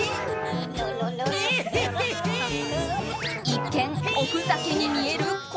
一見、おふざけに見える